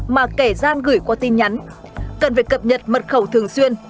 mà kẻ gian gửi qua tin nhắn cần phải cập nhật mật khẩu thường xuyên